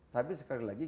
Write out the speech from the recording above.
tapi sekali lagi